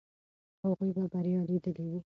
هغوی به بریا لیدلې وي.